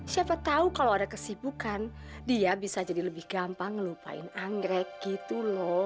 siapa tahu kalau ada kesibukan dia bisa jadi lebih gampang lupain anggrek gitu loh